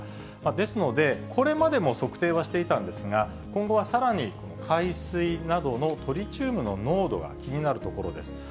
ですので、これまでも測定はしていたんですが、今後はさらに海水などのトリチウムの濃度が気になるところです。